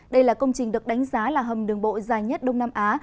đây là công trình được đánh giá là hầm đường bộ dài nhất đông nam á